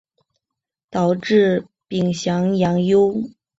导致丙寅洋扰。